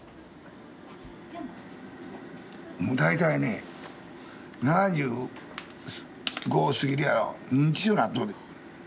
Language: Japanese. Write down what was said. もう大体ね７５過ぎるやろ認知症になっとるで。